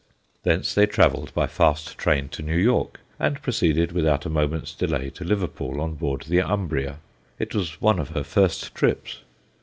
Thence they travelled by fast train to New York, and proceeded without a moment's delay to Liverpool on board the Umbria; it was one of her first trips.